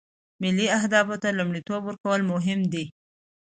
ملي اهدافو ته لومړیتوب ورکول مهم دي